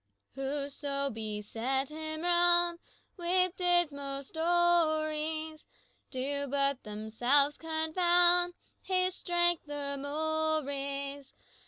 "Whoso beset him round With dismal stories, Do but themselves confound His strength the more is.